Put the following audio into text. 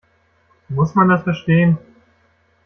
Muss man das verstehen?